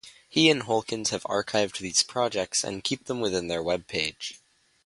He and Holkins have archived these projects and keep them within their web page.